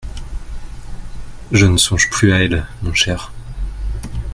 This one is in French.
Je ne songe plus à elle, mon cher.